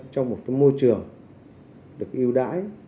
trong một cái môi trường được ưu đãi